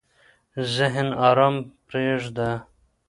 ذهن ارام پرېږده.